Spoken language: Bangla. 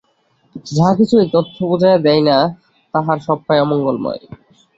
যাহা কিছু এই তত্ত্ব বুঝাইয়া দেয় না, তাহার সবটাই অমঙ্গলময়।